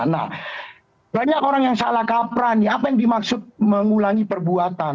nah banyak orang yang salah kapra nih apa yang dimaksud mengulangi perbuatan